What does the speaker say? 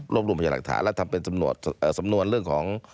รวมรวมพยาหลักฐานและทำเป็นสำนวนเรื่องของ